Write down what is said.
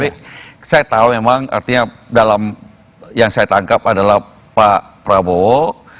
tapi saya tahu memang artinya dalam yang saya tangkap adalah pak prabowo